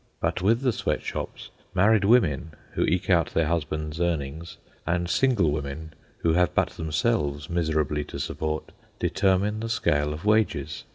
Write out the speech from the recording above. But with the sweat shops, married women who eke out their husband's earnings, and single women who have but themselves miserably to support, determine the scale of wages.